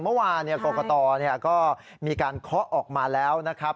เมื่อวานกรกตก็มีการเคาะออกมาแล้วนะครับ